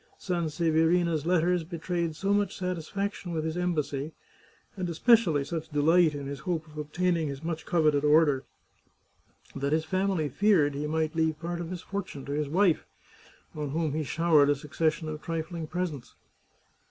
Sanseverina's letters betrayed so much satisfaction with his embassy, and especially such de light in his hope of obtaining his much coveted order, that his family feared he might leave part of his fortune to his wife, on whom he showered a succession of trifling pres ents.